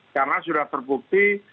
karena sudah terbukti